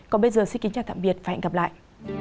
còn bây giờ xin kính chào tạm biệt và hẹn gặp lại